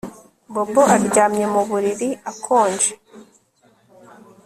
Bobo aryamye mu buriri akonje